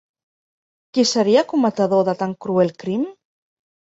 Qui seria cometedor de tan cruel crim?